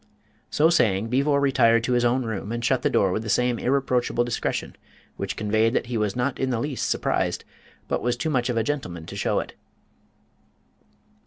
So saying, Beevor retired to his own room, and shut the door with the same irreproachable discretion, which conveyed that he was not in the least surprised, but was too much of a gentleman to show it.